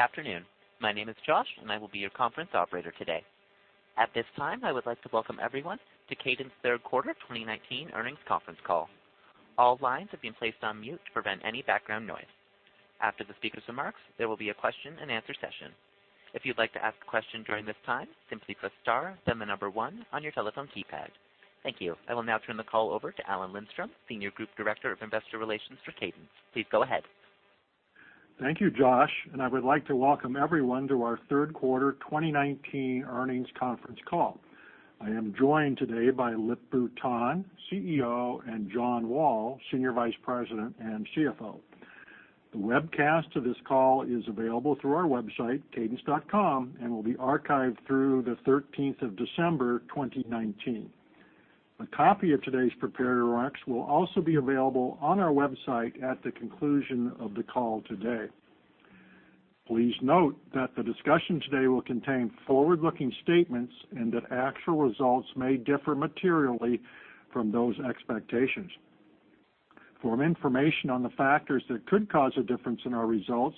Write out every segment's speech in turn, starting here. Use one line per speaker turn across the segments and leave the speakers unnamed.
Afternoon. My name is Josh, and I will be your conference operator today. At this time, I would like to welcome everyone to Cadence third quarter 2019 earnings conference call. All lines have been placed on mute to prevent any background noise. After the speaker's remarks, there will be a question and answer session. If you'd like to ask a question during this time, simply press star, then the number 1 on your telephone keypad. Thank you. I will now turn the call over to Alan Lindstrom, Senior Group Director of Investor Relations for Cadence. Please go ahead.
Thank you, Josh, I would like to welcome everyone to our third quarter 2019 earnings conference call. I am joined today by Lip-Bu Tan, CEO, and John Wall, Senior Vice President and CFO. The webcast to this call is available through our website, cadence.com, will be archived through the 13th of December 2019. A copy of today's prepared remarks will also be available on our website at the conclusion of the call today. Please note that the discussion today will contain forward-looking statements, actual results may differ materially from those expectations. For information on the factors that could cause a difference in our results,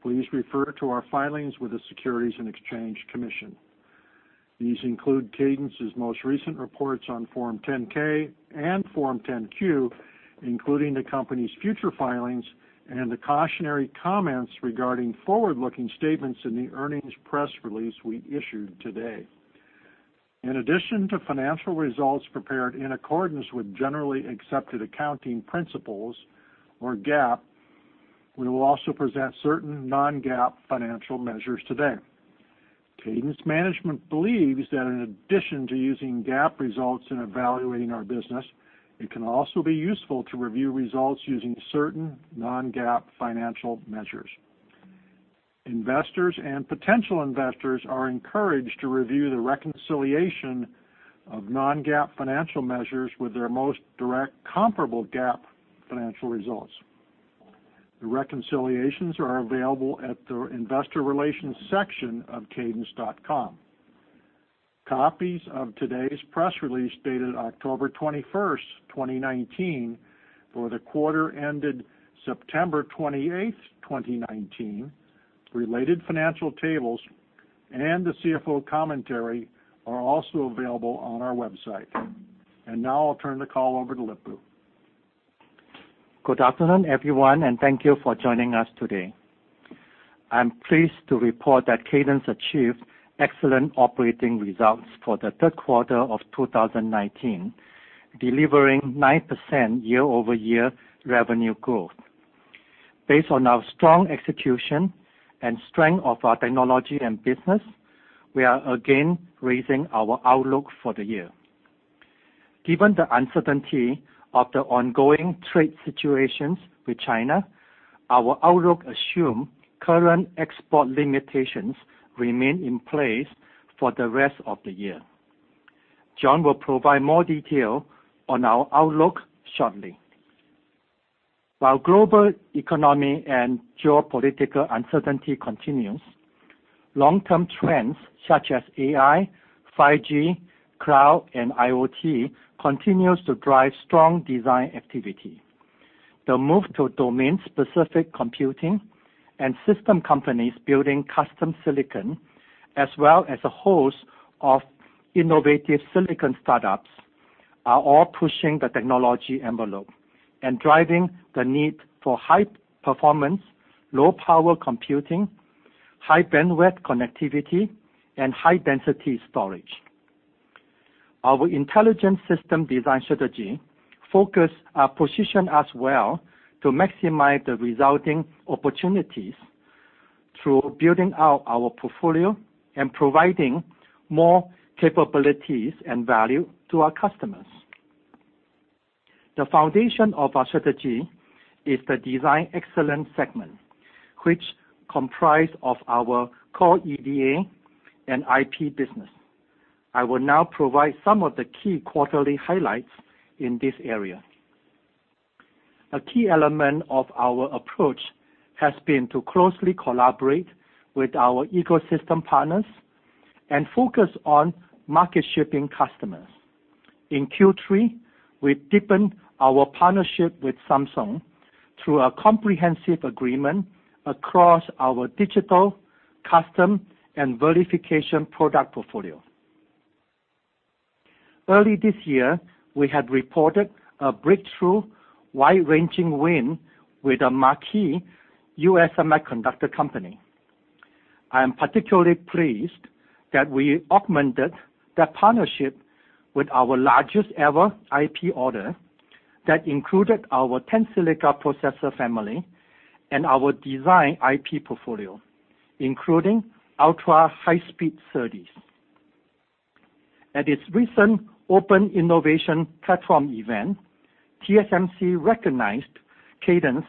please refer to our filings with the Securities and Exchange Commission. These include Cadence's most recent reports on Form 10-K and Form 10-Q, including the company's future filings and the cautionary comments regarding forward-looking statements in the earnings press release we issued today. In addition to financial results prepared in accordance with generally accepted accounting principles or GAAP, we will also present certain non-GAAP financial measures today. Cadence management believes that in addition to using GAAP results in evaluating our business, it can also be useful to review results using certain non-GAAP financial measures. Investors and potential investors are encouraged to review the reconciliation of non-GAAP financial measures with their most direct comparable GAAP financial results. The reconciliations are available at the investor relations section of cadence.com. Copies of today's press release, dated October 21st, 2019, for the quarter ended September 28th, 2019, related financial tables, and the CFO commentary are also available on our website. Now I'll turn the call over to Lip-Bu.
Good afternoon, everyone, and thank you for joining us today. I'm pleased to report that Cadence achieved excellent operating results for the third quarter of 2019, delivering 9% year-over-year revenue growth. Based on our strong execution and strength of our technology and business, we are again raising our outlook for the year. Given the uncertainty of the ongoing trade situations with China, our outlook assume current export limitations remain in place for the rest of the year. John will provide more detail on our outlook shortly. While global economic and geopolitical uncertainty continues, long-term trends such as AI, 5G, cloud, and IoT continues to drive strong design activity. The move to domain-specific computing and system companies building custom silicon, as well as a host of innovative silicon startups, are all pushing the technology envelope and driving the need for high performance, low power computing, high bandwidth connectivity, and high density storage. Our intelligent system design strategy focus are positioned as well to maximize the resulting opportunities through building out our portfolio and providing more capabilities and value to our customers. The foundation of our strategy is the design excellence segment, which comprise of our core EDA and IP business. I will now provide some of the key quarterly highlights in this area. A key element of our approach has been to closely collaborate with our ecosystem partners and focus on market shipping customers. In Q3, we deepened our partnership with Samsung through a comprehensive agreement across our digital, custom, and verification product portfolio. Early this year, we had reported a breakthrough wide-ranging win with a marquee U.S. semiconductor company. I am particularly pleased that we augmented that partnership with our largest-ever IP order that included our Tensilica processor family and our design IP portfolio, including ultra-high-speed SerDes. At its recent Open Innovation Platform event, TSMC recognized Cadence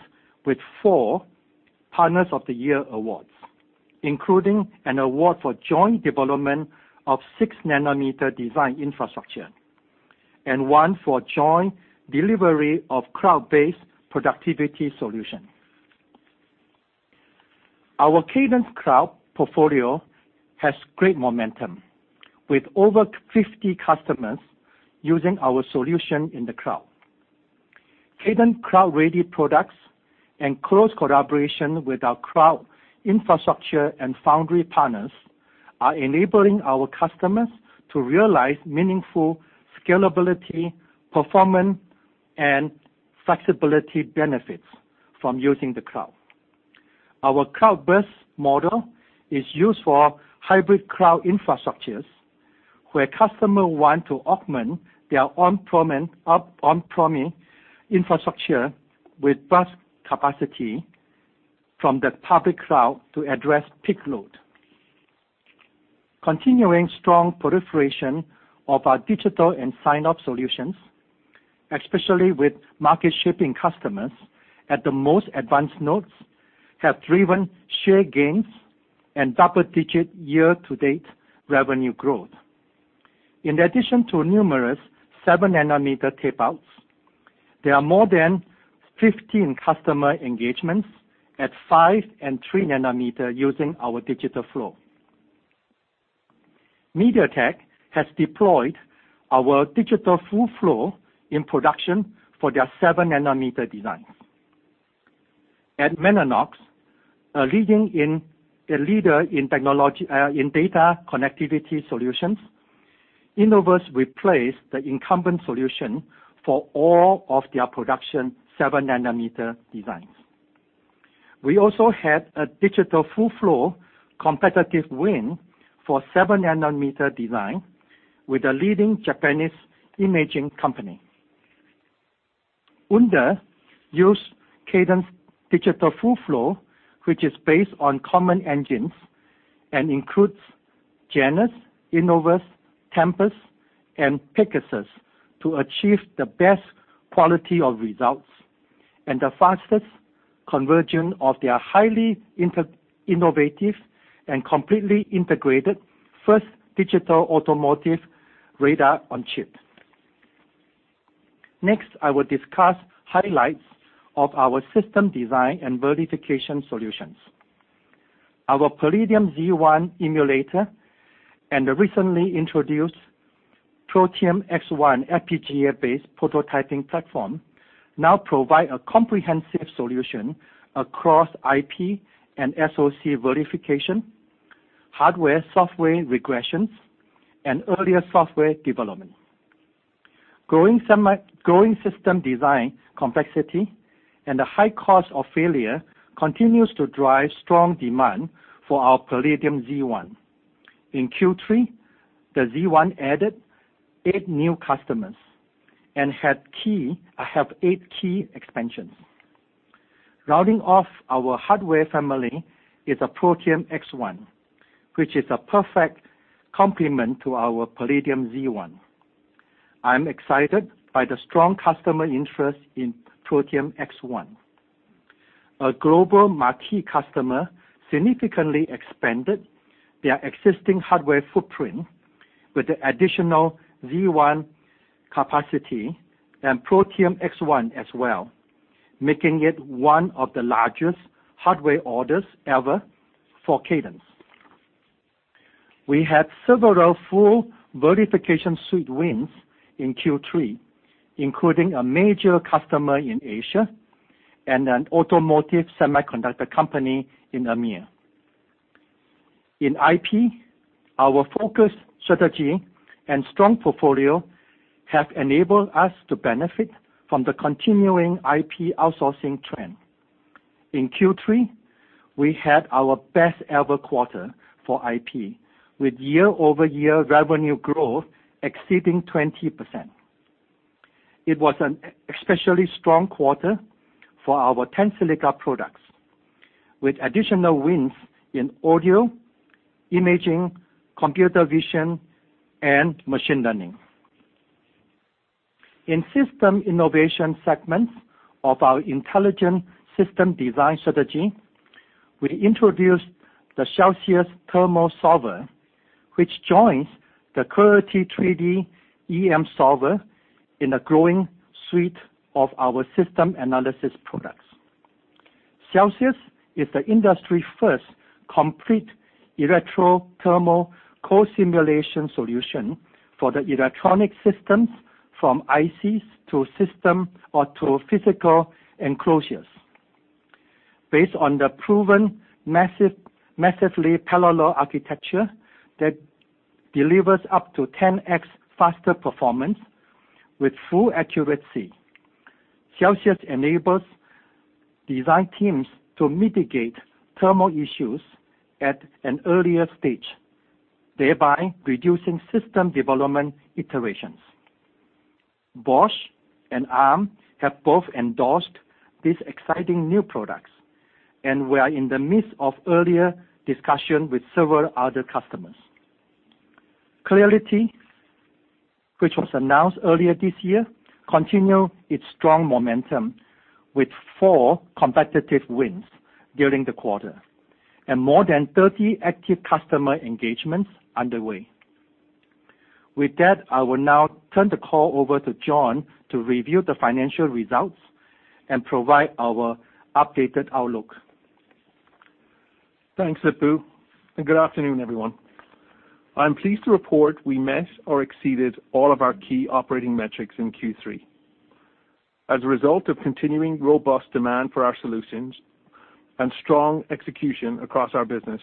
with four partners of the year awards, including an award for joint development of six-nanometer design infrastructure and one for joint delivery of cloud-based productivity solution. Our Cadence Cloud portfolio has great momentum, with over 50 customers using our solution in the cloud. Cadence cloud-ready products and close collaboration with our cloud infrastructure and foundry partners are enabling our customers to realize meaningful scalability, performance, and flexibility benefits from using the cloud. Our cloud burst model is used for hybrid cloud infrastructures, where customers want to augment their on-premise infrastructure with burst capacity from the public cloud to address peak load. Continuing strong proliferation of our digital and sign-off solutions, especially with market-shipping customers at the most advanced nodes, have driven share gains and double-digit year-to-date revenue growth. In addition to numerous 7-nanometer tape-outs, there are more than 15 customer engagements at 5 and 3 nanometer using our Digital Full Flow. MediaTek has deployed our Digital Full Flow in production for their 7-nanometer designs. At Inphi, a leader in data connectivity solutions, Innovus replaced the incumbent solution for all of their production 7-nanometer designs. We also had a Digital Full Flow competitive win for 7-nanometer design with a leading Japanese imaging company. Onda used Cadence Digital Full Flow, which is based on common engines and includes Genus, Innovus, Tempus, and Pegasus to achieve the best quality of results and the fastest conversion of their highly innovative and completely integrated first digital automotive radar on chip. Next, I will discuss highlights of our system design and verification solutions. Our Palladium Z1 emulator and the recently introduced Protium X1 FPGA-based prototyping platform now provide a comprehensive solution across IP and SoC verification, hardware-software regressions, and earlier software development. Growing system design complexity and the high cost of failure continues to drive strong demand for our Palladium Z1. In Q3, the Z1 added eight new customers and have eight key expansions. Rounding off our hardware family is a Protium X1, which is a perfect complement to our Palladium Z1. I'm excited by the strong customer interest in Protium X1. A global multi-customer significantly expanded their existing hardware footprint with the additional Z1 capacity and Protium X1 as well, making it one of the largest hardware orders ever for Cadence. We had several full verification suite wins in Q3, including a major customer in Asia and an automotive semiconductor company in EMEA. In IP, our focused strategy and strong portfolio have enabled us to benefit from the continuing IP outsourcing trend. In Q3, we had our best ever quarter for IP, with year-over-year revenue growth exceeding 20%. It was an especially strong quarter for our Tensilica products, with additional wins in audio, imaging, computer vision, and machine learning. In system innovation segments of our intelligent system design strategy, we introduced the Celsius Thermal Solver, which joins the Clarity 3D EM Solver in a growing suite of our system analysis products. Celsius is the industry's first complete electro-thermal co-simulation solution for the electronic systems from ICs to system or to physical enclosures. Based on the proven massively parallel architecture that delivers up to 10x faster performance with full accuracy. Celsius enables design teams to mitigate thermal issues at an earlier stage, thereby reducing system development iterations. Bosch and Arm have both endorsed these exciting new products. We are in the midst of earlier discussions with several other customers. Clarity, which was announced earlier this year, continued its strong momentum with four competitive wins during the quarter and more than 30 active customer engagements underway. With that, I will now turn the call over to John to review the financial results and provide our updated outlook.
Thanks, Lip-Bu, and good afternoon, everyone. I'm pleased to report we met or exceeded all of our key operating metrics in Q3. As a result of continuing robust demand for our solutions and strong execution across our business,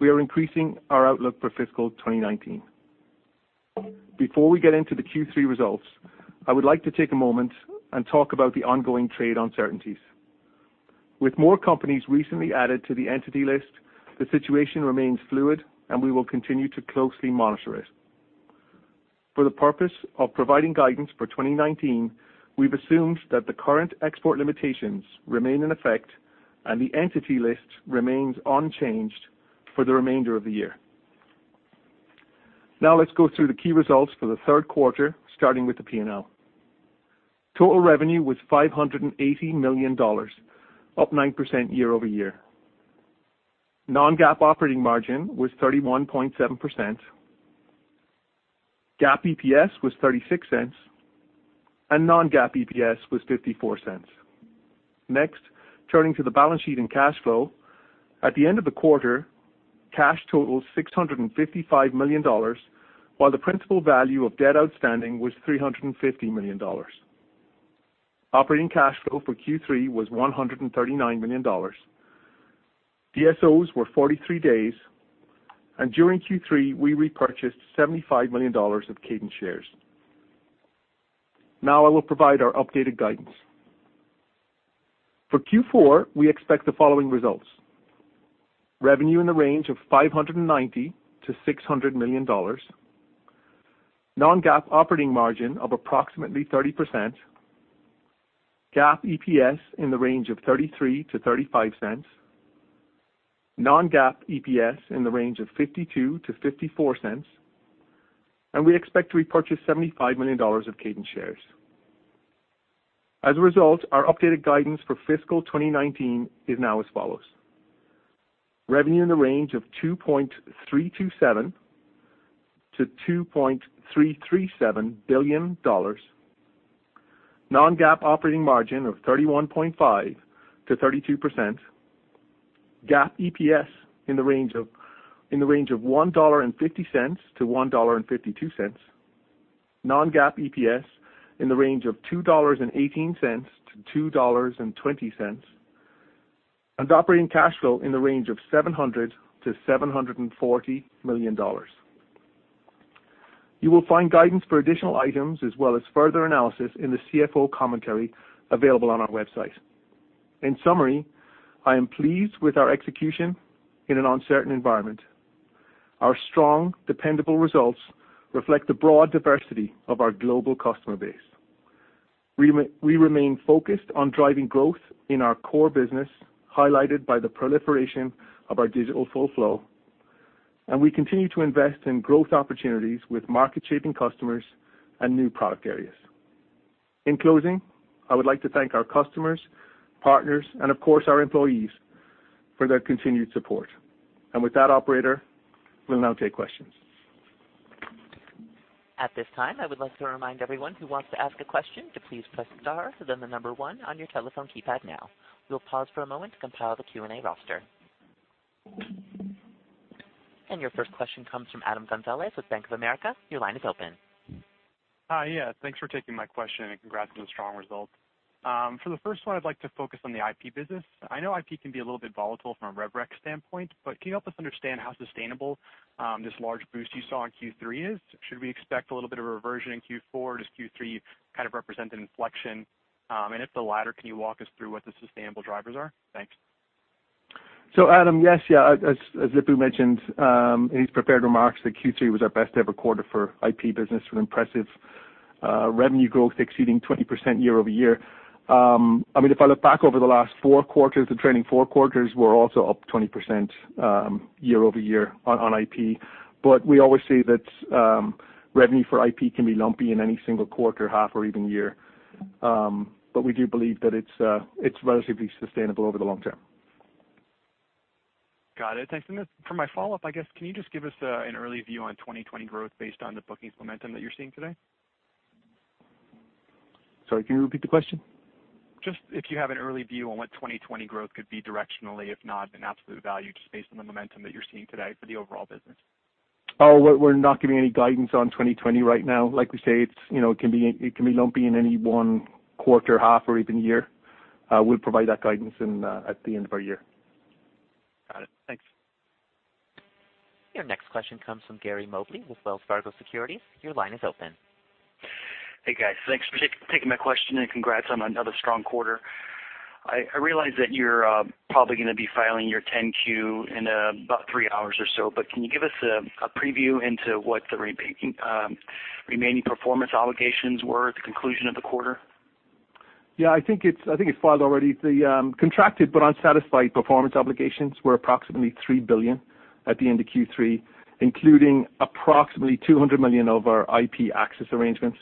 we are increasing our outlook for fiscal 2019. Before we get into the Q3 results, I would like to take a moment and talk about the ongoing trade uncertainties. With more companies recently added to the Entity List, the situation remains fluid, and we will continue to closely monitor it. For the purpose of providing guidance for 2019, we've assumed that the current export limitations remain in effect and the Entity List remains unchanged for the remainder of the year. Now let's go through the key results for the third quarter, starting with the P&L. Total revenue was $580 million, up 9% year-over-year. non-GAAP operating margin was 31.7%. GAAP EPS was $0.36, and non-GAAP EPS was $0.54. Turning to the balance sheet and cash flow. At the end of the quarter, cash totaled $655 million, while the principal value of debt outstanding was $350 million. Operating cash flow for Q3 was $139 million. DSOs were 43 days, and during Q3, we repurchased $75 million of Cadence shares. I will provide our updated guidance. For Q4, we expect the following results. Revenue in the range of $590 million-$600 million. Non-GAAP operating margin of approximately 30%. GAAP EPS in the range of $0.33-$0.35. Non-GAAP EPS in the range of $0.52-$0.54. We expect to repurchase $75 million of Cadence shares. Our updated guidance for fiscal 2019 is now as follows. Revenue in the range of $2.327 billion-$2.337 billion. Non-GAAP operating margin of 31.5%-32%. GAAP EPS in the range of $1.50-$1.52. Non-GAAP EPS in the range of $2.18-$2.20. Operating cash flow in the range of $700 million-$740 million. You will find guidance for additional items as well as further analysis in the CFO commentary available on our website. In summary, I am pleased with our execution in an uncertain environment. Our strong, dependable results reflect the broad diversity of our global customer base. We remain focused on driving growth in our core business, highlighted by the proliferation of our Digital Full Flow, and we continue to invest in growth opportunities with market-shaping customers and new product areas. In closing, I would like to thank our customers, partners, and of course, our employees for their continued support. With that, operator, we'll now take questions.
At this time, I would like to remind everyone who wants to ask a question to please press star, then the number one on your telephone keypad now. We'll pause for a moment to compile the Q&A roster. Your first question comes from Adam Gonzalez with Bank of America. Your line is open.
Hi. Yeah. Thanks for taking my question, and congrats on the strong results. For the first one, I'd like to focus on the IP business. I know IP can be a little bit volatile from a rev rec standpoint, but can you help us understand how sustainable this large boost you saw in Q3 is? Should we expect a little bit of a reversion in Q4? Does Q3 kind of represent an inflection? If the latter, can you walk us through what the sustainable drivers are? Thanks.
Adam, yes. As Lip-Bu mentioned in his prepared remarks that Q3 was our best-ever quarter for IP business with impressive revenue growth exceeding 20% year-over-year. If I look back over the last four quarters, the trailing four quarters were also up 20% year-over-year on IP. We always say that revenue for IP can be lumpy in any single quarter, half, or even year. We do believe that it's relatively sustainable over the long term.
Got it. Thanks. Then for my follow-up, I guess, can you just give us an early view on 2020 growth based on the bookings momentum that you're seeing today?
Sorry, can you repeat the question?
Just if you have an early view on what 2020 growth could be directionally, if not an absolute value, just based on the momentum that you're seeing today for the overall business.
Oh, we're not giving any guidance on 2020 right now. Like we say, it can be lumpy in any one quarter, half, or even year. We'll provide that guidance at the end of our year.
Got it. Thanks.
Your next question comes from Gary Mobley with Wells Fargo Securities. Your line is open.
Hey, guys. Thanks for taking my question, and congrats on another strong quarter. I realize that you're probably going to be filing your 10-Q in about three hours or so, but can you give us a preview into what the remaining performance obligations were at the conclusion of the quarter?
Yeah, I think it's filed already. The contracted but unsatisfied performance obligations were approximately $3 billion at the end of Q3, including approximately $200 million of our IP access arrangements.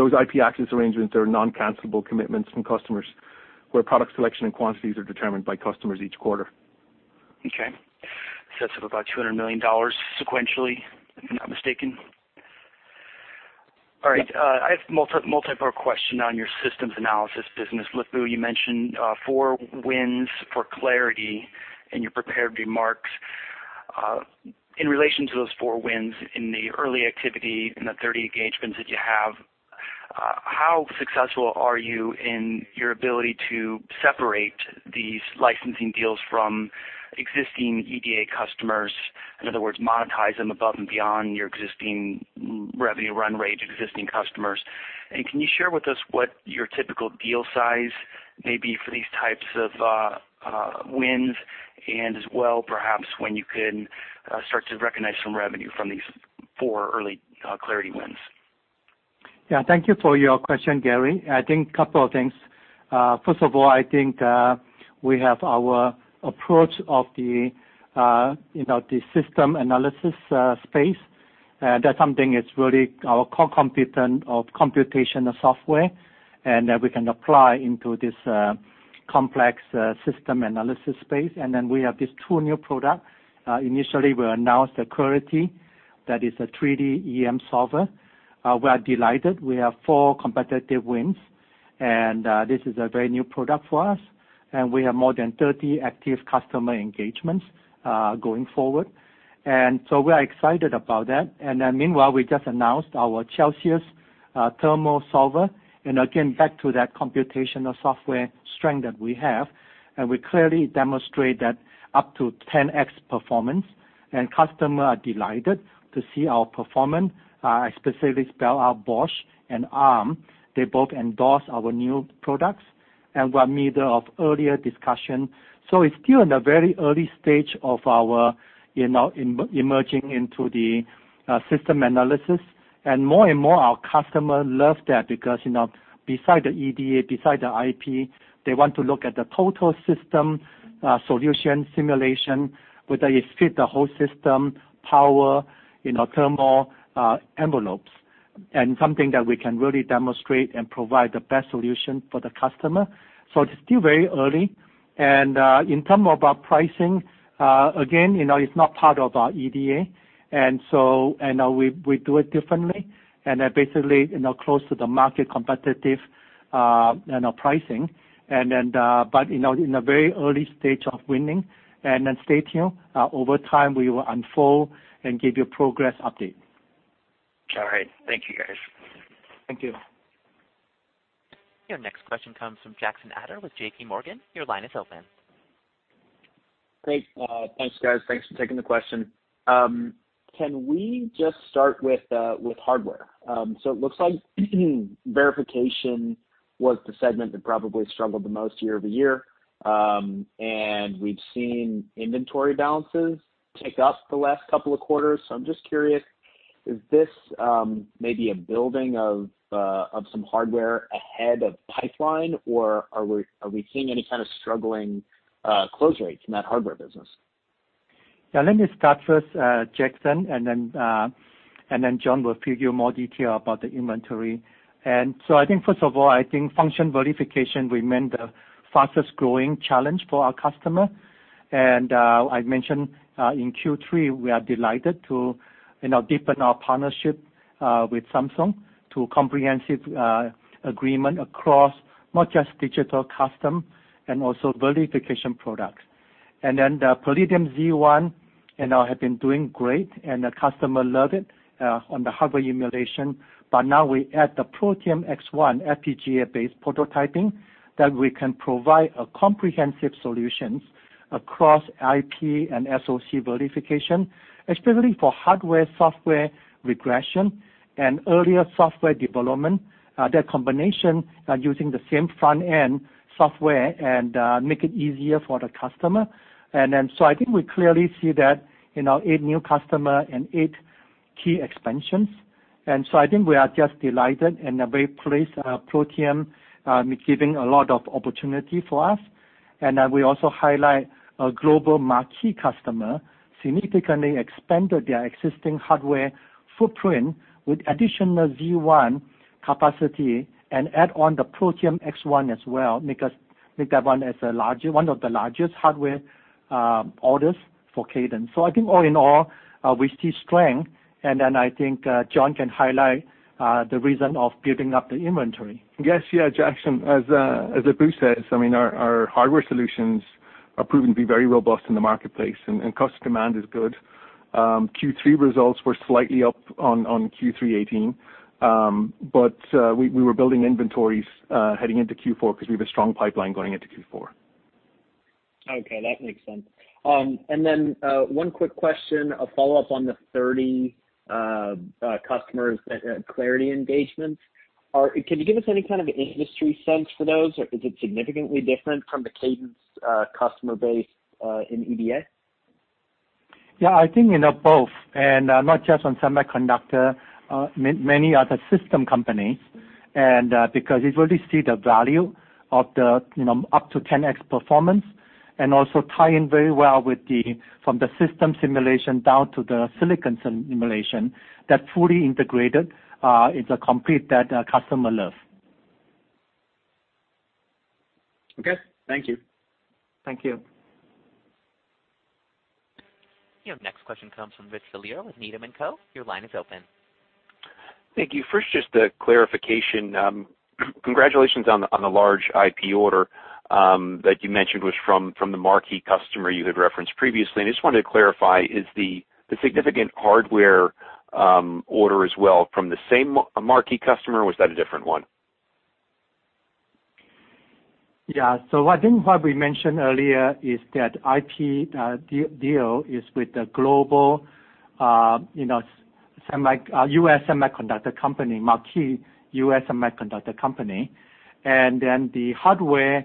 Those IP access arrangements are non-cancellable commitments from customers, where product selection and quantities are determined by customers each quarter.
Okay. That's up about $200 million sequentially, if I'm not mistaken? All right. I have a multi-part question on your systems analysis business. Lip-Bu, you mentioned four wins for Clarity in your prepared remarks. In relation to those four wins in the early activity in the 30 engagements that you have, how successful are you in your ability to separate these licensing deals from existing EDA customers, in other words, monetize them above and beyond your existing revenue run rate, existing customers? Can you share with us what your typical deal size may be for these types of wins, and as well, perhaps when you can start to recognize some revenue from these four early Clarity wins?
Yeah. Thank you for your question, Gary. I think a couple of things. First of all, I think we have our approach of the system analysis space. That's something it's really our core competence of computational software, and that we can apply into this complex system analysis space. Then we have these two new products. Initially, we announced the Clarity that is a 3D EM solver. We are delighted. We have four competitive wins, and this is a very new product for us, and we have more than 30 active customer engagements going forward. We are excited about that. Meanwhile, we just announced our Celsius Thermal Solver, and again, back to that computational software strength that we have, and we clearly demonstrate that up to 10X performance and customers are delighted to see our performance. I specifically spell out Bosch and Arm. They both endorse our new products, and we are in the middle of earlier discussion. It's still in a very early stage of our emerging into the system analysis. More and more our customer love that because, beside the EDA, beside the IP, they want to look at the total system solution simulation, whether it fit the whole system, power, thermal envelopes, and something that we can really demonstrate and provide the best solution for the customer. It's still very early. In term of our pricing, again, it's not part of our EDA, and we do it differently. Basically, close to the market competitive pricing but in a very early stage of winning. Stay tuned. Over time, we will unfold and give you progress update.
All right. Thank you, guys.
Thank you.
Your next question comes from Jackson Ader with JPMorgan. Your line is open.
Great. Thanks, guys. Thanks for taking the question. Can we just start with hardware? It looks like Verification was the segment that probably struggled the most year-over-year. We've seen inventory balances tick up the last couple of quarters. I'm just curious, is this maybe a building of some hardware ahead of pipeline, or are we seeing any kind of struggling close rates in that hardware business?
Yeah, let me start first, Jackson, and then John will give you more detail about the inventory. I think first of all, I think function verification remain the fastest-growing challenge for our customer. I mentioned, in Q3, we are delighted to deepen our partnership with Samsung to comprehensive agreement across not just digital custom and also verification products. The Palladium Z1 have been doing great, and the customer love it on the hardware emulation. Now we add the Protium X1 FPGA-based prototyping that we can provide a comprehensive solutions across IP and SoC verification, especially for hardware-software regression and earlier software development. That combination are using the same front-end software and make it easier for the customer. I think we clearly see that in our eight new customer and eight key expansions. I think we are just delighted and very pleased. Protium is giving a lot of opportunity for us. We also highlight a global marquee customer significantly expanded their existing hardware footprint with additional Z1 capacity and add on the Protium X1 as well, make that one as one of the largest hardware orders for Cadence. I think all in all, we see strength, I think John can highlight the reason of giving up the inventory.
Yes. Yeah, Jackson, as Lip-Bu says, our hardware solutions are proven to be very robust in the marketplace, and customer demand is good. Q3 results were slightly up on Q3 2018. We were building inventories heading into Q4 because we have a strong pipeline going into Q4.
Okay, that makes sense. One quick question, a follow-up on the 30 customers that had Clarity engagements. Can you give us any kind of industry sense for those, or is it significantly different from the Cadence customer base in EDA?
Yeah, I think both. Not just on semiconductor, many other system companies. Because it really see the value of the up to 10X performance and also tie in very well with the from the system simulation down to the silicon simulation that fully integrated into complete that customer love.
Okay. Thank you.
Thank you.
Your next question comes from Rich Valera with Needham & Company. Your line is open.
Thank you. First, just a clarification. Congratulations on the large IP order that you mentioned was from the marquee customer you had referenced previously, and I just wanted to clarify, is the significant hardware order as well from the same marquee customer, or was that a different one?
I think what we mentioned earlier is that IP deal is with a global U.S. semiconductor company, marquee U.S. semiconductor company. The hardware,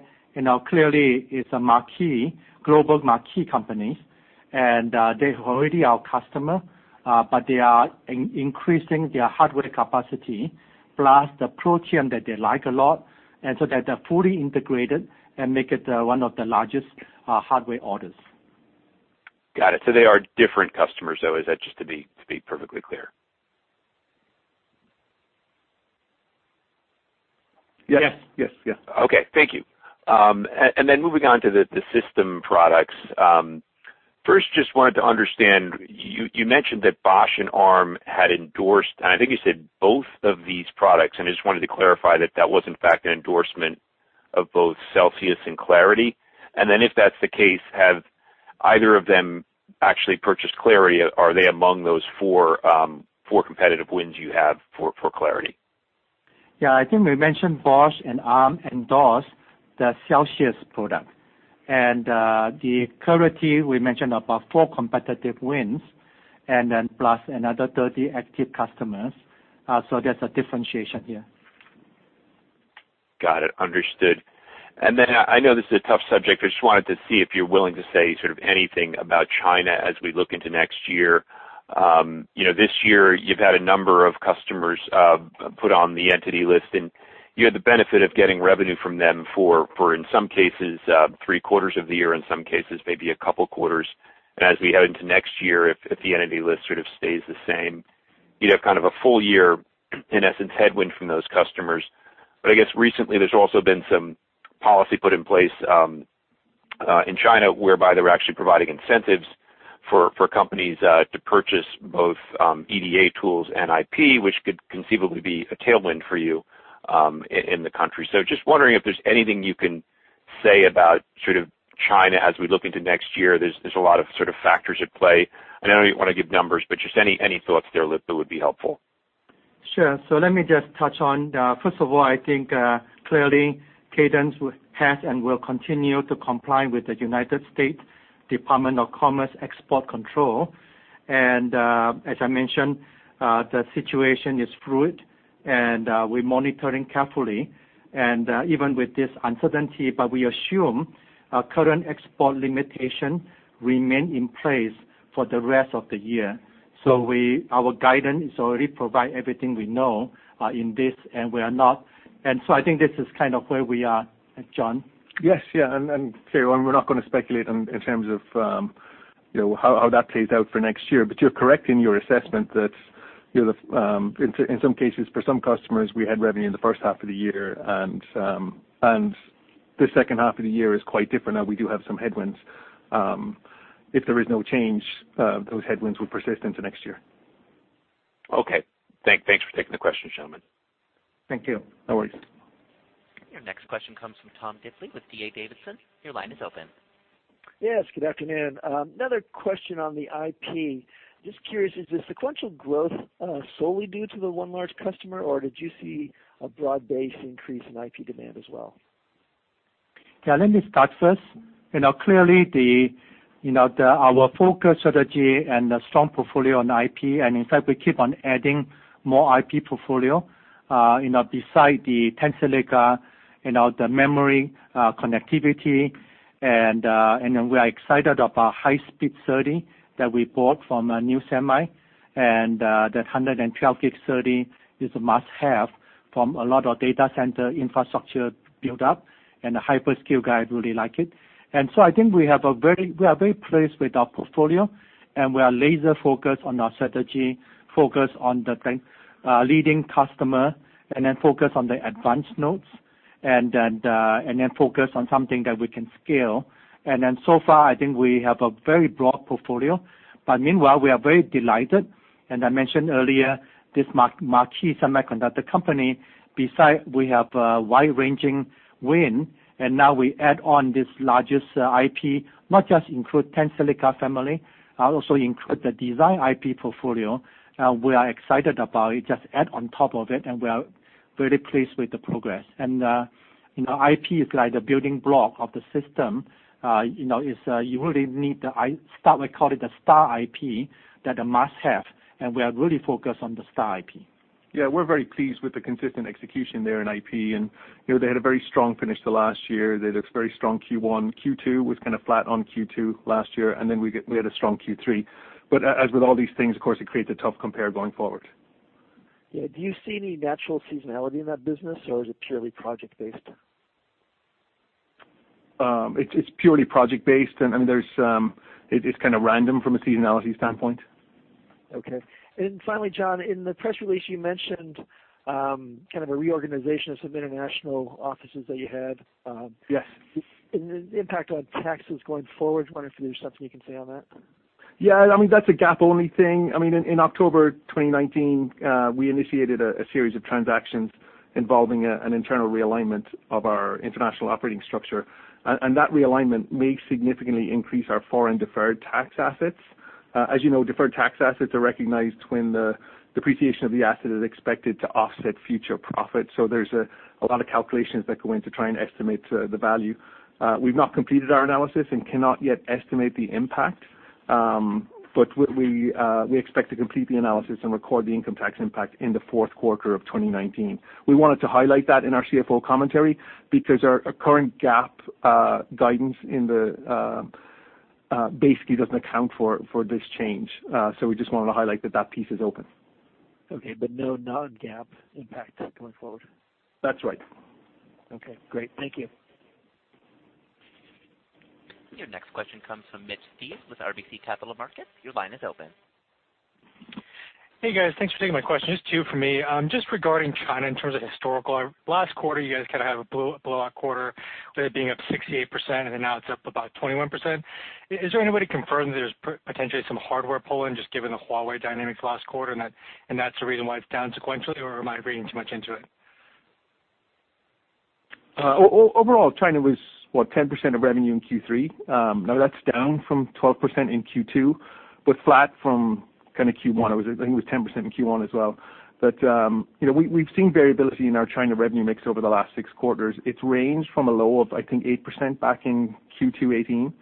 clearly is a global marquee company. They're already our customer, but they are increasing their hardware capacity plus the Protium that they like a lot. They're fully integrated and make it one of the largest hardware orders.
Got it. They are different customers, though? Is that just to be perfectly clear?
Yes.
Yes.
Okay. Thank you. Then moving on to the system products. First, just wanted to understand, you mentioned that Bosch and Arm had endorsed, and I think you said both of these products, and I just wanted to clarify that that was in fact an endorsement of both Celsius and Clarity. Then if that's the case, have either of them actually purchased Clarity? Are they among those four competitive wins you have for Clarity?
Yeah, I think we mentioned Bosch and Arm endorsed the Celsius product. The Clarity, we mentioned about four competitive wins and then plus another 30 active customers. There's a differentiation here.
Got it. Understood. Then I know this is a tough subject. I just wanted to see if you're willing to say sort of anything about China as we look into next year. This year you've had a number of customers put on the Entity List, and you had the benefit of getting revenue from them for, in some cases, 3 quarters of the year, in some cases maybe a couple of quarters. As we head into next year, if the Entity List sort of stays the same, you'd have kind of a full year, in essence, headwind from those customers. I guess recently there's also been some policy put in place in China whereby they were actually providing incentives for companies to purchase both EDA tools and IP, which could conceivably be a tailwind for you in the country. Just wondering if there's anything you can say about China as we look into next year. There's a lot of sort of factors at play. I know you don't want to give numbers, but just any thoughts there that would be helpful.
Sure. Let me just touch on. First of all, I think clearly Cadence has and will continue to comply with the United States Department of Commerce export control. As I mentioned, the situation is fluid and we're monitoring carefully and even with this uncertainty. We assume current export limitation remain in place for the rest of the year. Our guidance already provide everything we know in this. I think this is kind of where we are, John.
Yes. Clearly, we're not going to speculate in terms of how that plays out for next year. You're correct in your assessment that in some cases, for some customers, we had revenue in the first half of the year, and the second half of the year is quite different, and we do have some headwinds. If there is no change, those headwinds will persist into next year.
Okay. Thanks for taking the question, gentlemen.
Thank you.
No worries.
Your next question comes from Tom Diffely with D.A. Davidson. Your line is open.
Yes. Good afternoon. Another question on the IP. Just curious, is the sequential growth solely due to the one large customer, or did you see a broad-based increase in IP demand as well?
Yeah, let me start first. Clearly, our focus strategy and the strong portfolio on IP, and in fact, we keep on adding more IP portfolio beside the Tensilica, the memory connectivity, and then we are excited about high-speed SerDes that we bought from NuSemi, and that 112 gig SerDes is a must-have from a lot of data center infrastructure build-up, and the hyperscale guys really like it. I think we are very pleased with our portfolio, and we are laser-focused on our strategy, focused on the leading customer, and then focused on the advanced nodes, and then focused on something that we can scale. So far, I think we have a very broad portfolio. Meanwhile, we are very delighted, and I mentioned earlier, this marquee semiconductor company, besides we have a wide-ranging win, and now we add on this largest IP, not just include Tensilica family, also include the design IP portfolio. We are excited about it, just add on top of it, and we are very pleased with the progress. IP is like the building block of the system. We call it the star IP that a must-have, and we are really focused on the star IP.
Yeah, we're very pleased with the consistent execution there in IP, and they had a very strong finish the last year. They had a very strong Q1. Q2 was kind of flat on Q2 last year, and then we had a strong Q3. As with all these things, of course, it creates a tough compare going forward.
Yeah. Do you see any natural seasonality in that business, or is it purely project-based?
It's purely project-based, and it's kind of random from a seasonality standpoint.
Okay. Finally, John, in the press release, you mentioned kind of a reorganization of some international offices that you had.
Yes.
The impact on taxes going forward, I was wondering if there's something you can say on that?
Yeah, that's a GAAP-only thing. In October 2019, we initiated a series of transactions involving an internal realignment of our international operating structure. That realignment may significantly increase our foreign deferred tax assets. As you know, deferred tax assets are recognized when the depreciation of the asset is expected to offset future profits. There's a lot of calculations that go in to try and estimate the value. We've not completed our analysis and cannot yet estimate the impact. We expect to complete the analysis and record the income tax impact in the fourth quarter of 2019. We wanted to highlight that in our CFO commentary because our current GAAP guidance basically doesn't account for this change. We just wanted to highlight that piece is open.
Okay, no non-GAAP impact going forward?
That's right.
Okay, great. Thank you.
Your next question comes from Mitch Steves with RBC Capital Markets. Your line is open.
Hey, guys. Thanks for taking my question. Just two from me. Just regarding China in terms of historical, last quarter, you guys kind of had a blowout quarter with it being up 68%, and then now it's up about 21%. Is there any way to confirm that there's potentially some hardware pull-in just given the Huawei dynamics last quarter and that's the reason why it's down sequentially or am I reading too much into it?
Overall, China was 10% of revenue in Q3. That's down from 12% in Q2 but flat from kind of Q1. I think it was 10% in Q1 as well. We've seen variability in our China revenue mix over the last six quarters. It's ranged from a low of, I think, 8% back in Q2 2018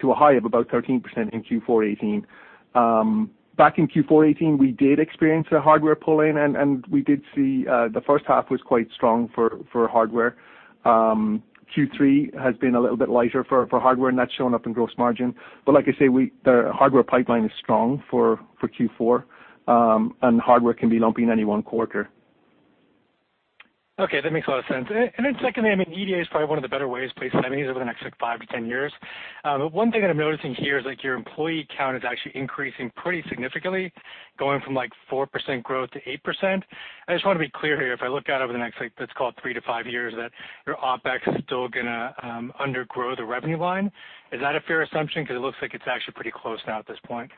to a high of about 13% in Q4 2018. Back in Q4 2018, we did experience a hardware pull-in and we did see the first half was quite strong for hardware. Q3 has been a little bit lighter for hardware and that's shown up in gross margin. Like I say, the hardware pipeline is strong for Q4, and hardware can be lumpy in any one quarter.
Okay, that makes a lot of sense. Secondly, EDA is probably one of the better ways to place revenues over the next five to 10 years. One thing that I'm noticing here is your employee count is actually increasing pretty significantly, going from 4% growth to 8%. I just want to be clear here, if I look out over the next, let's call it three to five years, that your OpEx is still going to undergrow the revenue line. Is that a fair assumption? It looks like it's actually pretty close now at this point.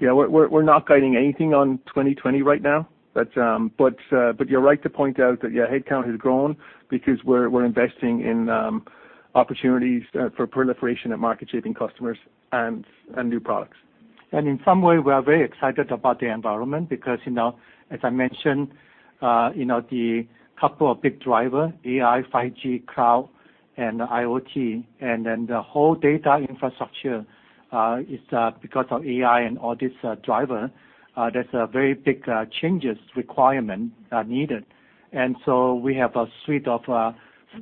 Yeah, we're not guiding anything on 2020 right now. You're right to point out that, yeah, head count has grown because we're investing in opportunities for proliferation of market-shaping customers and new products.
In some way, we are very excited about the environment because as I mentioned, the couple of big driver, AI, 5G, cloud and IoT, and then the whole data infrastructure, because of AI and all these driver, there's a very big changes requirement needed. We have a suite of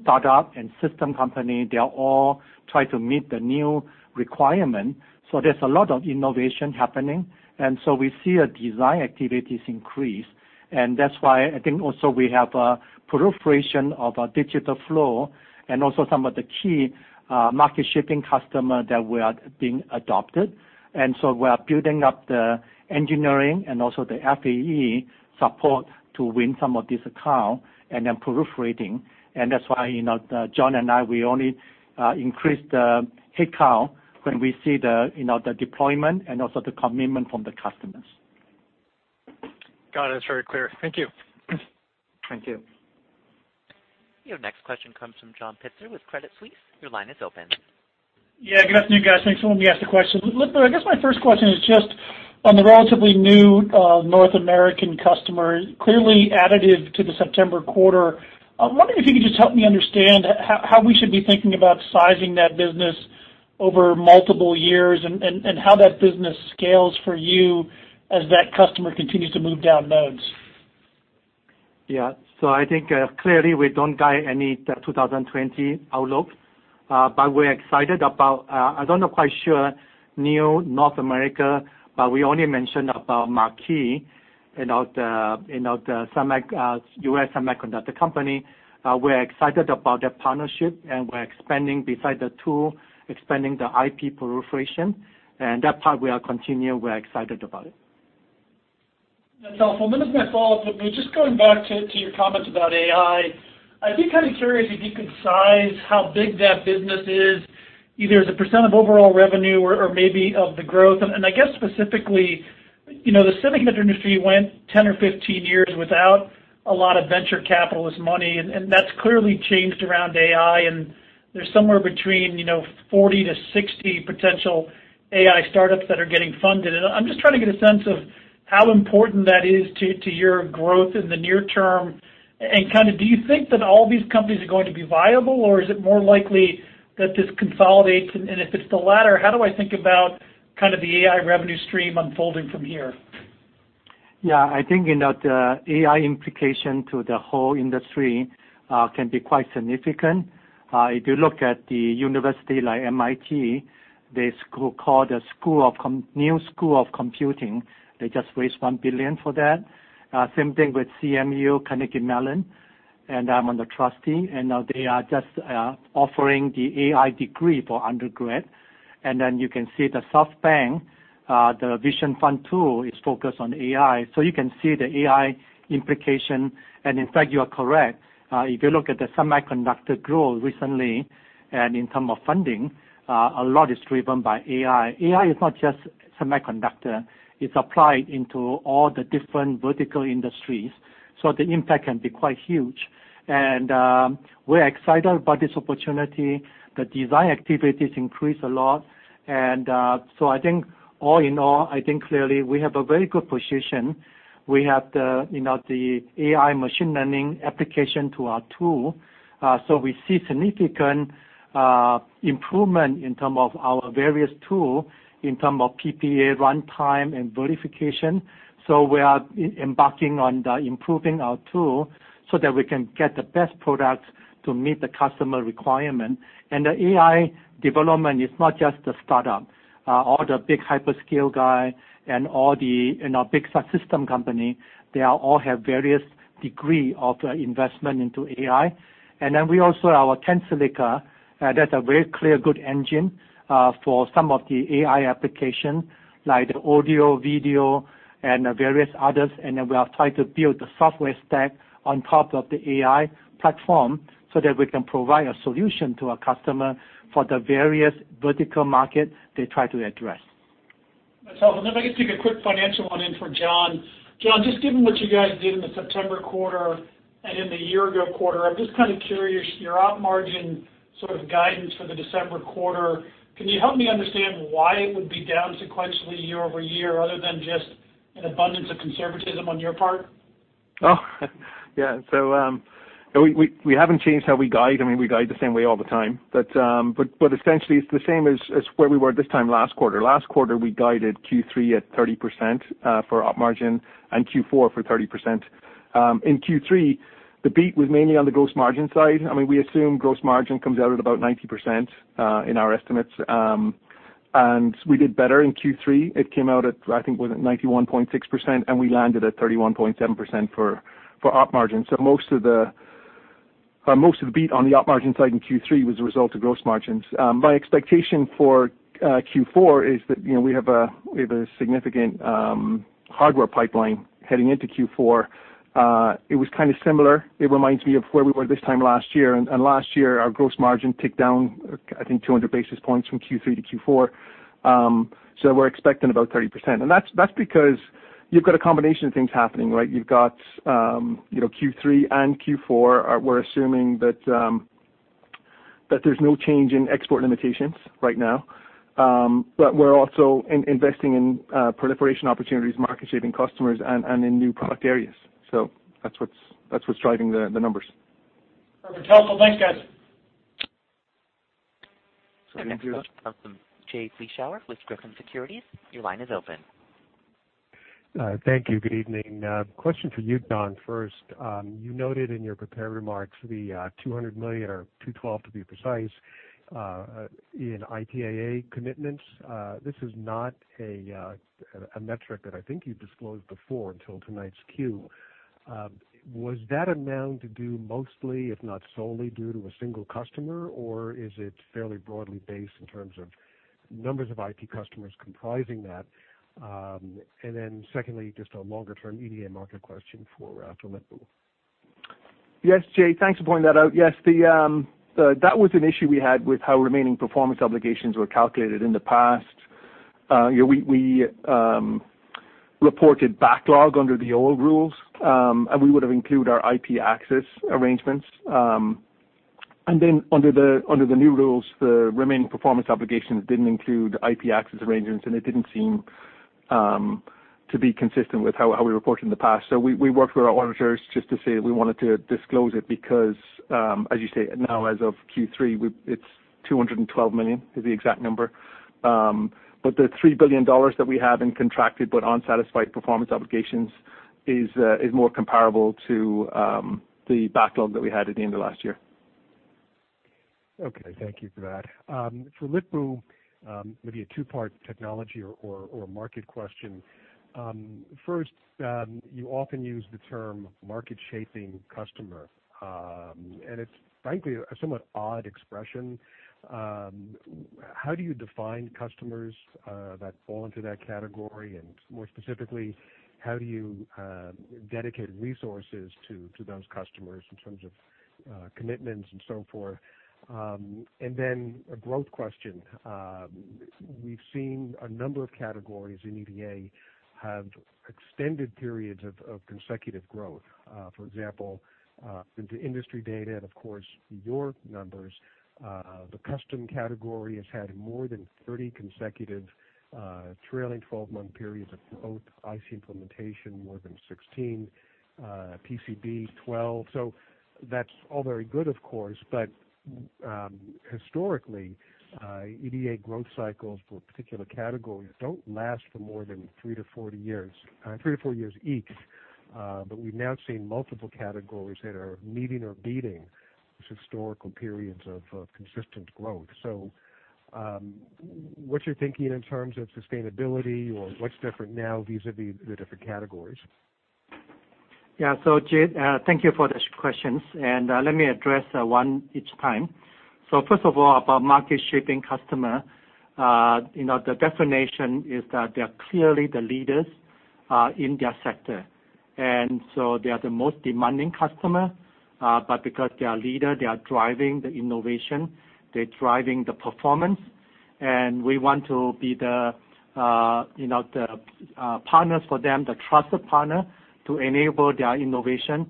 startup and system company. They all try to meet the new requirement. There's a lot of innovation happening, and so we see a design activities increase. That's why I think also we have a proliferation of Digital Full Flow and also some of the key market-shaping customer that we are being adopted. We are building up the engineering and also the FAE support to win some of this account and then proliferating. That's why, John and I, we only increase the head count when we see the deployment and also the commitment from the customers.
Got it. It's very clear. Thank you.
Thank you.
Your next question comes from John Pitzer with Credit Suisse. Your line is open.
Yeah, good afternoon, guys. Thanks for letting me ask the question. Look, I guess my first question is just on the relatively new North American customer, clearly additive to the September quarter. I'm wondering if you could just help me understand how we should be thinking about sizing that business over multiple years and how that business scales for you as that customer continues to move down nodes.
I think clearly we don't guide any 2020 outlook. We're excited about Marquee, the U.S. semiconductor company. We're excited about that partnership and we're expanding beside the tool, expanding the IP proliferation. That part we are continuing, we're excited about it.
That's helpful. Then as my follow-up, maybe just going back to your comments about AI, I'd be kind of curious if you could size how big that business is, either as a % of overall revenue or maybe of the growth. I guess specifically, the semiconductor industry went 10 or 15 years without a lot of venture capitalist money, and that's clearly changed around AI, and there's somewhere between 40 to 60 potential AI startups that are getting funded. I'm just trying to get a sense of how important that is to your growth in the near term and do you think that all these companies are going to be viable, or is it more likely that this consolidates? If it's the latter, how do I think about the AI revenue stream unfolding from here?
Yeah, I think the AI implication to the whole industry can be quite significant. If you look at the university like MIT, they call the new school of computing. They just raised $1 billion for that. Same thing with CMU, Carnegie Mellon. I'm on the trustee, now they are just offering the AI degree for undergrad. You can see the SoftBank, the Vision Fund 2, is focused on AI. You can see the AI implication. In fact, you are correct. If you look at the semiconductor growth recently and in terms of funding, a lot is driven by AI. AI is not just semiconductor. It's applied into all the different vertical industries, so the impact can be quite huge. We're excited about this opportunity. The design activities increase a lot. I think all in all, I think clearly we have a very good position. We have the AI machine learning application to our tool. We see significant improvement in term of our various tool, in term of PPA runtime and verification. We are embarking on the improving our tool so that we can get the best product to meet the customer requirement. The AI development is not just a startup. All the big hyperscale guy and all the big system company, they all have various degree of investment into AI. We also, our Tensilica, that's a very clear good engine for some of the AI application, like the audio, video, and various others. We are trying to build the software stack on top of the AI platform so that we can provide a solution to our customer for the various vertical market they try to address.
That's helpful. If I could sneak a quick financial one in for John. John, just given what you guys did in the September quarter and in the year-ago quarter, I'm just kind of curious, your op margin sort of guidance for the December quarter, can you help me understand why it would be down sequentially year-over-year, other than just an abundance of conservatism on your part?
We haven't changed how we guide. We guide the same way all the time. Essentially, it's the same as where we were at this time last quarter. Last quarter, we guided Q3 at 30% for op margin and Q4 for 30%. In Q3, the beat was mainly on the gross margin side. We assume gross margin comes out at about 90% in our estimates. We did better in Q3. It came out at 91.6%, and we landed at 31.7% for op margin. Most of the beat on the op margin side in Q3 was a result of gross margins. My expectation for Q4 is that we have a significant hardware pipeline heading into Q4. It was kind of similar. It reminds me of where we were this time last year. Last year, our gross margin ticked down, I think, 200 basis points from Q3 to Q4. We're expecting about 30%. That's because you've got a combination of things happening, right? You've got Q3 and Q4. We're assuming that there's no change in export limitations right now. We're also investing in proliferation opportunities, market shaping customers, and in new product areas. That's what's driving the numbers.
Perfect. Tell them. Thanks, guys.
Thank you.
Our next question comes from Jay Vleeschhouwer with Griffin Securities. Your line is open.
Thank you. Good evening. Question for you, John, first. You noted in your prepared remarks the $200 million, or 212, to be precise, in IPAA commitments. This is not a metric that I think you disclosed before until tonight's Q. Was that amount due mostly, if not solely, due to a single customer, or is it fairly broadly based in terms of numbers of IP customers comprising that? Secondly, just a longer-term EDA market question for Lip-Bu.
Yes, Jay. Thanks for pointing that out. That was an issue we had with how remaining performance obligations were calculated in the past. We reported backlog under the old rules. We would have included our IP access arrangements. Under the new rules, the remaining performance obligations didn't include IP access arrangements. It didn't seem to be consistent with how we reported in the past. We worked with our auditors just to say we wanted to disclose it because, as you say, now as of Q3, it's $212 million is the exact number. The $3 billion that we have in contracted but unsatisfied performance obligations is more comparable to the backlog that we had at the end of last year.
Okay, thank you for that. For Lip-Bu, maybe a two-part technology or market question. First, you often use the term market-shaping customer. It's frankly a somewhat odd expression. How do you define customers that fall into that category? More specifically, how do you dedicate resources to those customers in terms of commitments and so forth? Then a growth question. We've seen a number of categories in EDA have extended periods of consecutive growth. For example, in the industry data and of course your numbers, the custom category has had more than 30 consecutive trailing 12-month periods of growth, IC implementation more than 16, PCB 12. That's all very good, of course, but historically, EDA growth cycles for particular categories don't last for more than 3-4 years each. We've now seen multiple categories that are meeting or beating historical periods of consistent growth. What's your thinking in terms of sustainability or what's different now vis-a-vis the different categories?
Jay, thank you for these questions, and let me address one each time. First of all, about market-shaping customer, the definition is that they are clearly the leaders in their sector. They are the most demanding customer, but because they are leader, they are driving the innovation, they're driving the performance, and we want to be the partners for them, the trusted partner to enable their innovation,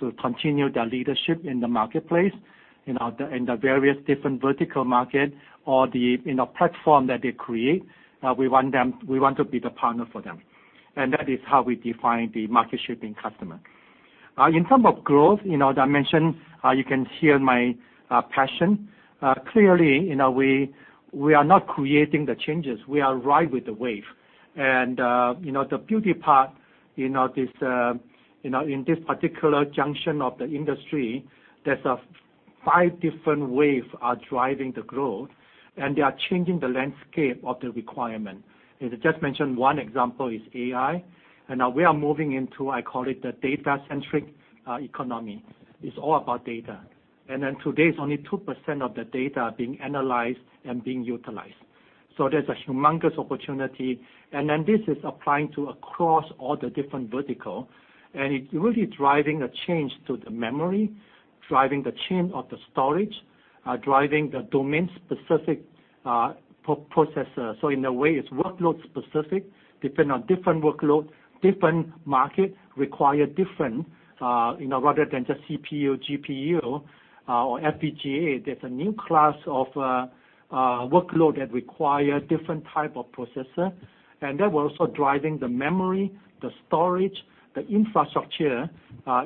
to continue their leadership in the marketplace. In the various different vertical market or the platform that they create, we want to be the partner for them. That is how we define the market-shaping customer. In term of growth, that I mentioned, you can hear my passion. Clearly, we are not creating the changes. We are ride with the wave. The beauty part in this particular junction of the industry, there's a five different wave are driving the growth, and they are changing the landscape of the requirement. As I just mentioned, one example is AI. Now we are moving into, I call it, the data-centric economy. It's all about data. Today, it's only 2% of the data being analyzed and being utilized. There's a humongous opportunity. This is applying to across all the different vertical. It's really driving a change to the memory, driving the change of the storage, driving the domain-specific processor. In a way, it's workload specific, depend on different workload. Different market require different, rather than just CPU, GPU, or FPGA. There's a new class of workload that require different type of processor, and that will also driving the memory, the storage, the infrastructure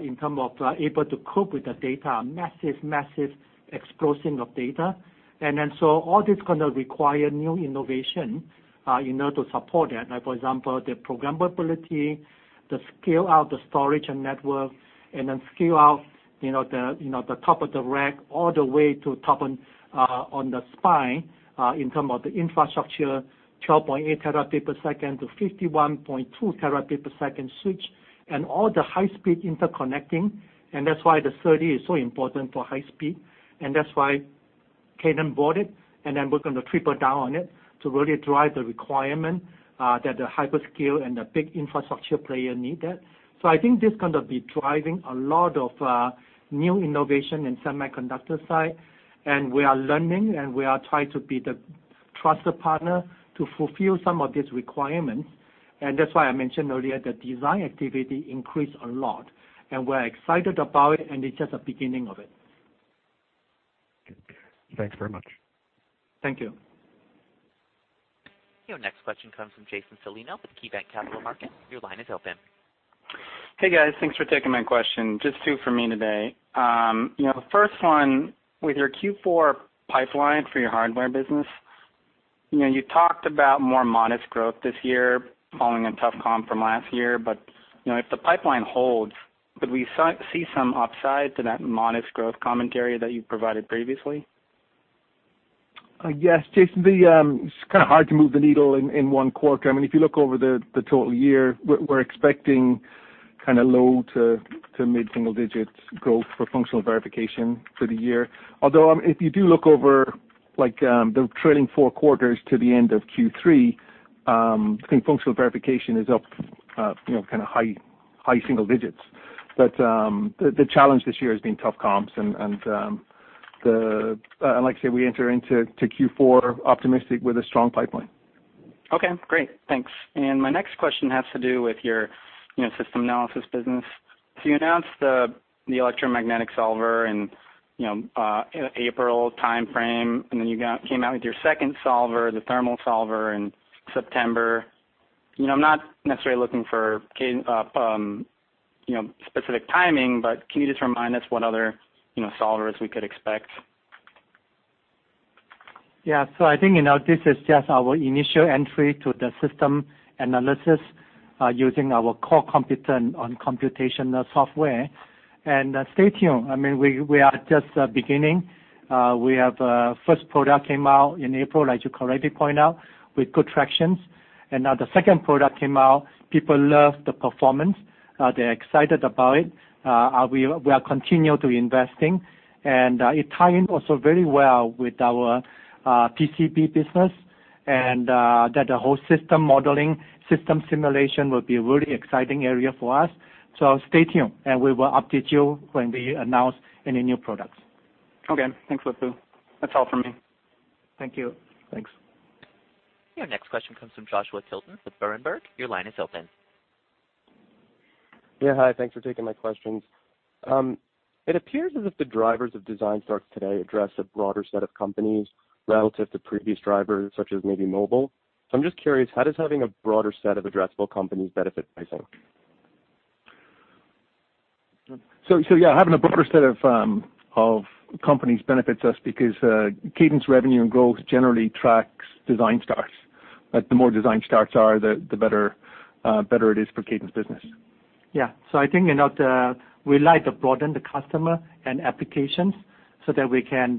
in terms of able to cope with the data, a massive explosion of data. All this going to require new innovation to support that. Like, for example, the programmability, to scale out the storage and network, and then scale out the top of the rack all the way to top on the spine in terms of the infrastructure, 12.8 terabit per second to 51.2 terabit per second switch, and all the high-speed interconnecting. That's why the SerDes is so important for high speed, and that's why Cadence bought it, and then we're going to triple down on it to really drive the requirement that the hyperscale and the big infrastructure player need that. I think this is going to be driving a lot of new innovation in semiconductor side, and we are learning, and we are trying to be the trusted partner to fulfill some of these requirements. That's why I mentioned earlier the design activity increased a lot, and we're excited about it, and it's just the beginning of it.
Good. Thanks very much.
Thank you.
Your next question comes from Jason Celino with KeyBanc Capital Markets. Your line is open.
Hey, guys. Thanks for taking my question. Just two for me today. First one, with your Q4 pipeline for your hardware business, you talked about more modest growth this year following a tough comp from last year. If the pipeline holds, could we see some upside to that modest growth commentary that you provided previously?
Yes, Jason. It's kind of hard to move the needle in one quarter. If you look over the total year, we're expecting low to mid-single digits growth for functional verification for the year. If you do look over the trailing four quarters to the end of Q3, I think functional verification is up high single digits. The challenge this year has been tough comps and like I said, we enter into Q4 optimistic with a strong pipeline.
Okay, great. Thanks. My next question has to do with your system analysis business. You announced the electromagnetic solver in April timeframe, then you came out with your second solver, the thermal solver, in September. I'm not necessarily looking for specific timing, can you just remind us what other solvers we could expect?
Yeah. I think this is just our initial entry to the system analysis using our core competent on computational software. Stay tuned. We are just beginning. We have first product came out in April, as you correctly point out, with good tractions. Now the second product came out. People love the performance. They're excited about it. We are continue to investing, and it tie in also very well with our PCB business, and that the whole system modeling, system simulation will be a really exciting area for us. Stay tuned, and we will update you when we announce any new products.
Okay. Thanks, Lip-Bu. That's all for me.
Thank you.
Thanks.
Your next question comes from Joshua Tilton with Berenberg. Your line is open.
Yeah, hi. Thanks for taking my questions. It appears as if the drivers of design starts today address a broader set of companies relative to previous drivers such as maybe mobile. I'm just curious, how does having a broader set of addressable companies benefit pricing?
Yeah, having a broader set of companies benefits us because Cadence revenue and growth generally tracks design starts. The more design starts are, the better it is for Cadence business.
Yeah. I think we like to broaden the customer and applications so that we can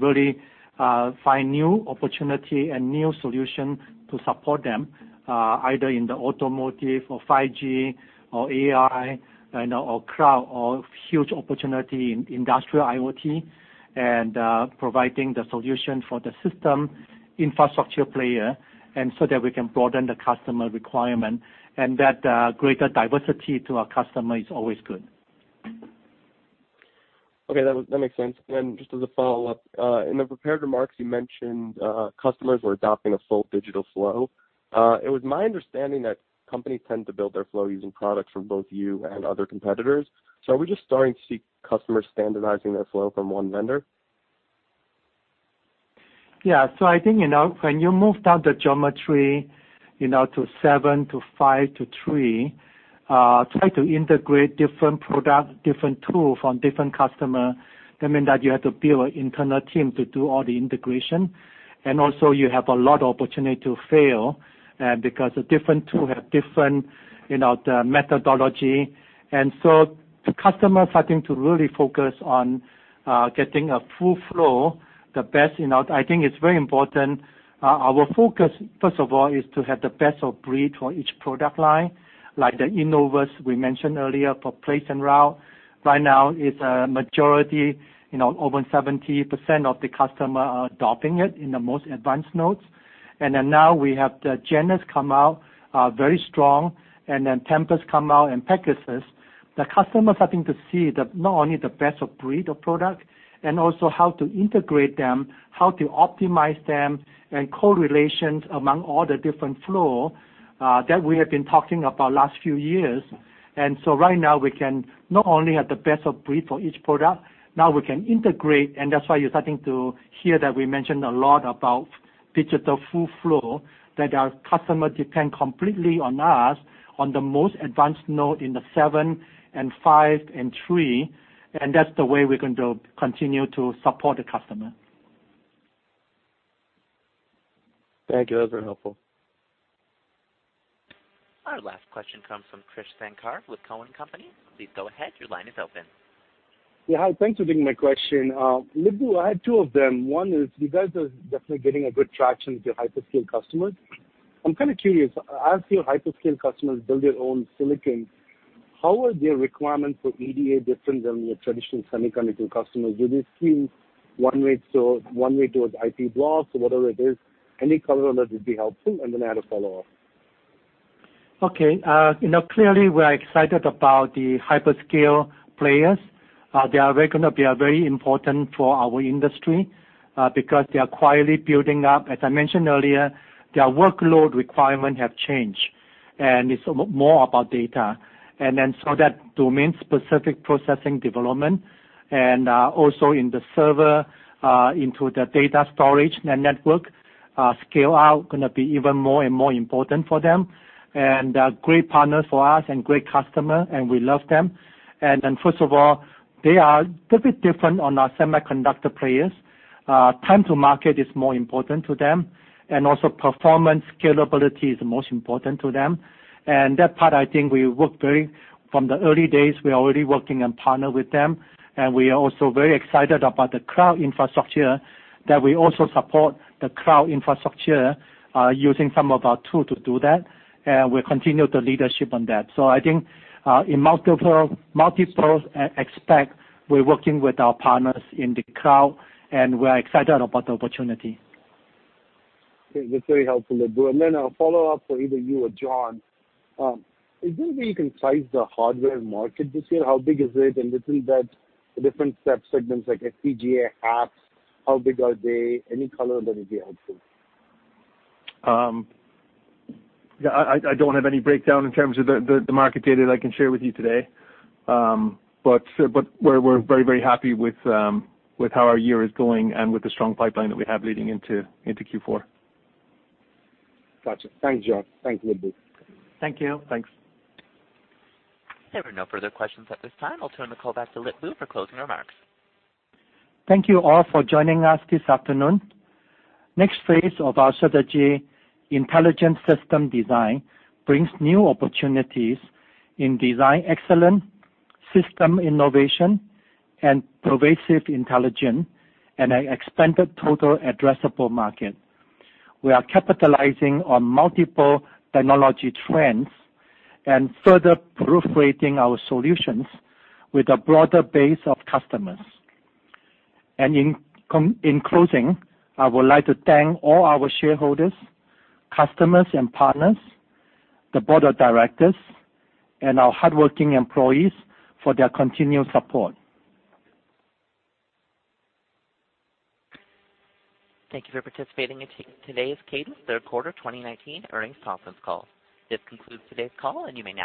really find new opportunity and new solution to support them, either in the automotive or 5G or AI, or cloud, or huge opportunity in industrial IoT, and providing the solution for the system infrastructure player, and so that we can broaden the customer requirement and that greater diversity to our customer is always good.
Okay, that makes sense. Just as a follow-up, in the prepared remarks, you mentioned customers were adopting a full digital flow. It was my understanding that companies tend to build their flow using products from both you and other competitors. Are we just starting to see customers standardizing their flow from one vendor?
Yeah. I think, when you move down the geometry, to 7, to 5, to 3, try to integrate different product, different tool from different customer, that mean that you have to build internal team to do all the integration, you have a lot opportunity to fail, because the different tool have different methodology. The customer starting to really focus on getting a full flow the best. I think it's very important. Our focus, first of all, is to have the best of breed for each product line, like the Innovus we mentioned earlier for place and route. Right now, it's a majority, over 70% of the customer are adopting it in the most advanced nodes. Now we have the Genus come out, very strong, and then Tempus come out and Pegasus. The customer starting to see that not only the best of breed of product and also how to integrate them, how to optimize them, and correlations among all the different flow that we have been talking about last few years. Right now we can not only have the best of breed for each product, now we can integrate, and that's why you're starting to hear that we mentioned a lot about Digital Full Flow, that our customer depend completely on us on the most advanced node in the seven and five and three, and that's the way we're going to continue to support the customer.
Thank you. That was very helpful.
Our last question comes from Krish Sankar with Cowen and Company. Please go ahead. Your line is open.
Yeah. Hi. Thanks for taking my question. Lip-Bu, I have two of them. One is you guys are definitely getting a good traction with your hyperscale customers. I'm kind of curious, as your hyperscale customers build their own silicon, how are their requirements for EDA different than your traditional semiconductor customers? Do they seem one way towards IP blocks or whatever it is? Any color on that would be helpful. I had a follow-up.
Okay. Clearly we're excited about the hyperscale players. They are very important for our industry, because they are quietly building up. As I mentioned earlier, their workload requirement have changed, and it's more about data. That domain specific processing development and also in the server into the data storage and network scale-out going to be even more and more important for them. Great partners for us and great customer, and we love them. First of all, they are a bit different on our semiconductor players. Time to market is more important to them, and also performance scalability is the most important to them. That part, I think we work very from the early days, we are already working and partner with them, and we are also very excited about the cloud infrastructure that we also support the cloud infrastructure using some of our tool to do that, and we continue the leadership on that. I think in multiple aspect, we're working with our partners in the cloud, and we're excited about the opportunity.
Okay. That's very helpful, Lip-Bu. A follow-up for either you or John. Is there a way you can size the hardware market this year? How big is it? Within that, the different subsegments like FPGA apps, how big are they? Any color there would be helpful.
I don't have any breakdown in terms of the market data that I can share with you today. We're very happy with how our year is going and with the strong pipeline that we have leading into Q4.
Got you. Thanks, John. Thanks, Lip-Bu.
Thank you. Thanks.
There are no further questions at this time. I'll turn the call back to Lip-Bu for closing remarks.
Thank you all for joining us this afternoon. Next phase of our strategy, Intelligent System Design, brings new opportunities in design excellence, system innovation, and pervasive intelligence, an expanded total addressable market. We are capitalizing on multiple technology trends and further broadening our solutions with a broader base of customers. In closing, I would like to thank all our shareholders, customers and partners, the board of directors, and our hardworking employees for their continued support.
Thank you for participating in today's Cadence third quarter 2019 earnings conference call. This concludes today's call. You may now disconnect.